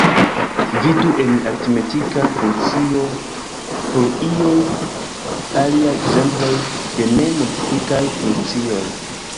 Vidu en aritmetika funkcio por iuj aliaj ekzemploj de ne-multiplikaj funkcioj.